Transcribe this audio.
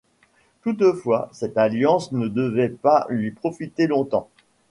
Toutefois, cette alliance ne devait pas lui profiter longtemps.